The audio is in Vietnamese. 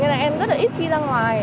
nên là em rất là ít khi ra ngoài